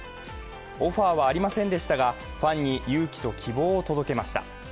オファーはありませんでしたがファンに勇気と希望を届けました。